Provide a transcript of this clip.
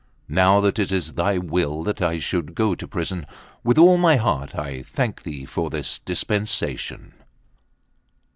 Now that it is thy will that I should go to prison, with all my heart I thank thee for this dispensation."